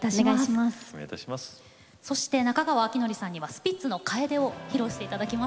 そして中川晃教さんにはスピッツの「楓」をご披露いただきます。